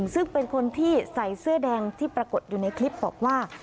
ซึ่งเป็นคนที่ใส่เสื้อแดงที่ปรากฏอยู่ในคลิปบอกว่า